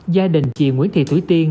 gia đình chị nguyễn thị thủy tiên